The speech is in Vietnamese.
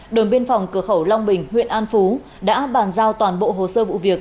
đồn biên phòng cửa khẩu long bình huyện an phú đã bàn giao toàn bộ hồ sơ vụ việc